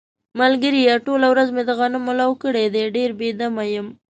ملگریه ټوله ورځ مې د غنمو لو کړی دی، ډېر بې دمه یم.